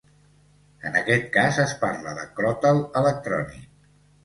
En aquest cas es parla de cròtal electrònic.